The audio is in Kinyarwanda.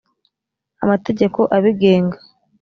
amategeko abigenga.